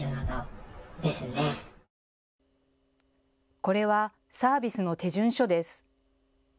これはサービスの手順書です。